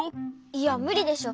いやむりでしょ。